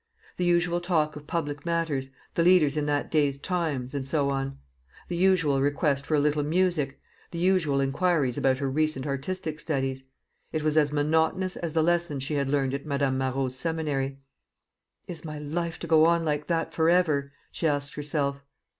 The usual talk of public matters the leaders in that day's Times, and so on. The usual request for a little music; the usual inquiries about her recent artistic studies. It was as monotonous as the lessons she had learned at Madame Marot's seminary. "Is my life to go on like that for ever?" she asked herself.